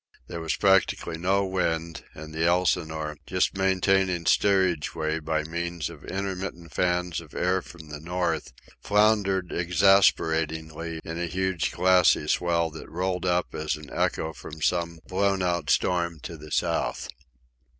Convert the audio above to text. There was practically no wind, and the Elsinore, just maintaining steerage way by means of intermittent fans of air from the north, floundered exasperatingly in a huge glassy swell that rolled up as an echo from some blown out storm to the south.